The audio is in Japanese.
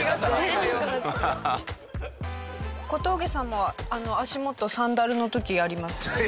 小峠さんも足元サンダルの時ありますよね？